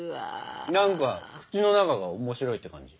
何か口の中が面白いって感じ。